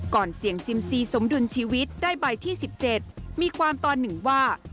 ก่อนเสี่ยงซิมซีสมดุลชีวิตได้ใบที่๑๗มีความตอนหนึ่งว่า